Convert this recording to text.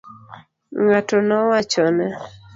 Ng'ato nowachone.